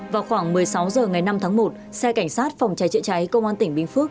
vào khoảng một mươi sáu h ngày năm tháng một xe cảnh sát phòng cháy chữa cháy công an tỉnh bình phước